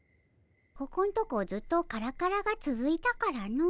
ここんとこずっとカラカラがつづいたからの。